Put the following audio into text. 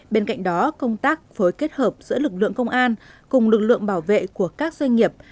bên cạnh đó công tác phối kết hợp giữa lực lượng công an cùng lực lượng bảo vệ của các doanh nghiệp